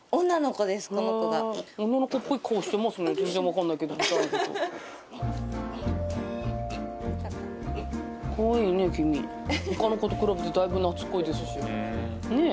この子がはあ女の子っぽい顔してますね全然分かんないけどかわいいねキミ他の子と比べてだいぶ懐っこいですしねえ